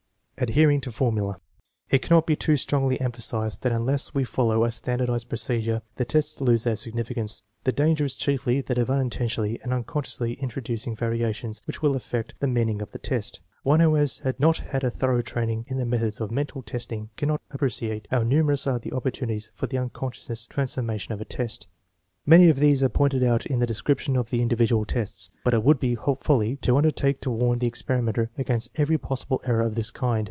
Adhering to formula. It cannot be too strongly empha sized that unless we follow a standardized procedure the tests lose their significance. The danger is chiefly that of unintentionally and unconsciously introducing variations which will affect the meaning of the test. One who has not had a thorough training in the methods of mental testing cannot appreciate how numerous are the opportu nities for the unconscious transformation of a test. Many of these are pointed out in the description of the individ ual tests, but it would be folly to undertake to warn the experimenter against every possible error of this kind.